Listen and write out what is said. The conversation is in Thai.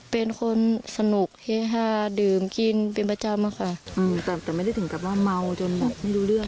เป็นคนสนุกเฮฮาดื่มกินเป็นประจำอะค่ะแต่ไม่ได้ถึงกับว่าเมาจนแบบไม่รู้เรื่อง